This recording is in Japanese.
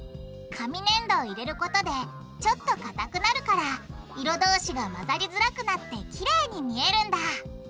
紙粘土を入れることでちょっとかたくなるから色同士が混ざりづらくなってきれいに見えるんだ！